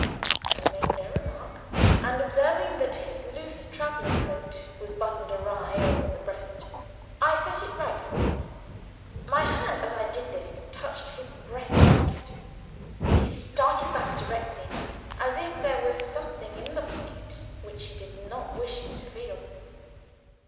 I made no remark; and, observing that his loose traveling coat was buttoned awry over the breast, I set it right for him. My hand, as I did this, touched his breast pocket. He started back directly as if there was something in the pocket which he did not wish me to feel.